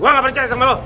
gua gak percaya sama lu